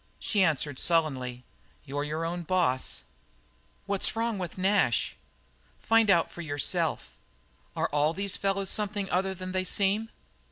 She answered sullenly: "You're your own boss." "What's wrong with Nash?" "Find out for yourself." "Are all these fellows something other than they seem?"